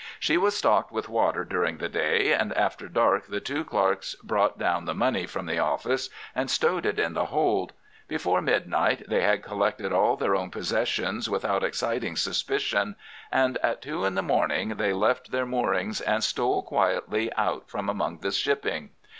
She was stocked with water during the day, and after dark the two clerks brought down the money from the office and stowed it in the hold. Before midnight they had collected all their own possessions without exciting suspicion, and at two in the morning they left their moorings and stole quietly out from among the shipping.